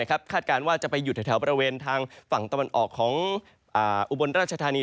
คาดการณ์ว่าจะไปหยุดแถวบริเวณทางฝั่งตะวันออกของอุบลราชธานี